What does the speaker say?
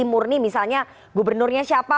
murni misalnya gubernurnya siapa